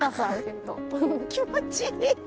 気持ちいい。